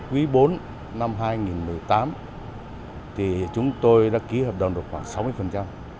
quý bốn năm hai nghìn một mươi tám thì chúng tôi đã ký hợp đồng được khoảng sáu mươi